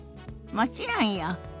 もちろんよ。